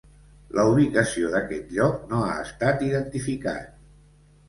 La ubicació d'aquest lloc no ha estat identificat.